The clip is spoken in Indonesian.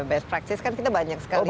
best practices kan kita banyak sekali